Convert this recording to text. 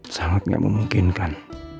sangat gak memungkinkan